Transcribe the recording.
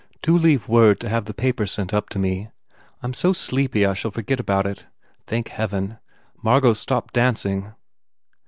Do leave word to have the papers sent up to me. I m so sleepy I shall forget about it. Thank heaven, Margot s stopped dancing."